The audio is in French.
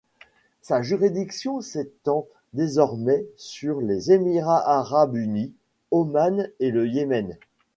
Sa juridiction s’étend désormais sur les Émirats arabes unis, Oman et le Yémen.